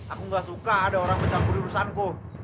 aku gak suka ada orang mencangkuri urusanku